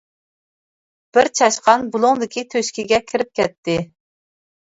بىر چاشقان بۇلۇڭدىكى تۆشىكىگە كىرىپ كەتتى.